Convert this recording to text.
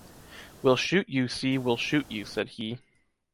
will shoot you see will shoot you” said he